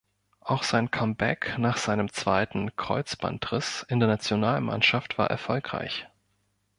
Auch sein Comeback nach seinem zweiten Kreuzbandriss in der Nationalmannschaft war erfolgreich.